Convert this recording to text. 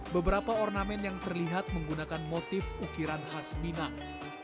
beberapa ornamen yang terlihat menggunakan motif ukiran khas minang